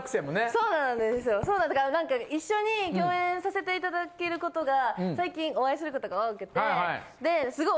そうだから一緒に共演させていただけることが最近お会いすることが多くてですごい